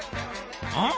うん？